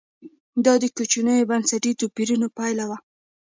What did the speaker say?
دا د کوچنیو بنسټي توپیرونو پایله وه.